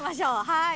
はい。